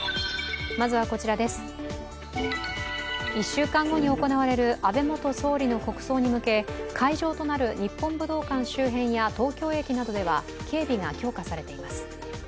１週間後に行われる安倍元総理の国葬に向け会場となる日本武道館周辺や東京駅などでは警備が強化されています。